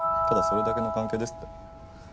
ただそれだけの関係ですって。